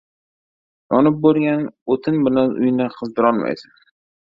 • Yonib bo‘lgan o‘tin bilan uyni qizdirolmaysan.